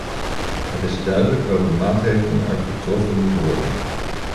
Het is duidelijk welke maatregelen er getroffen moeten worden.